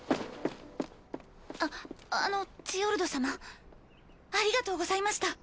ああのジオルド様ありがとうございました